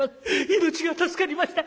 命が助かりました！